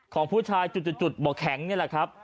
ของผู้ชายจุดบ่อแข็งนี่แหละครับ